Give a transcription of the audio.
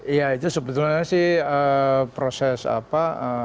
iya itu sebetulnya sih proses apa